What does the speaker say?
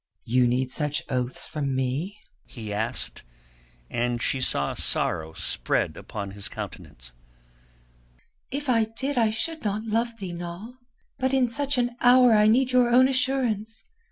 "You need such oaths from me?" he asked, and she saw sorrow spread upon his countenance. "If I did I should not love thee, Noll. But in such an hour I need your own assurance.